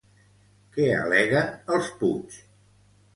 Què al·leguen els Puig?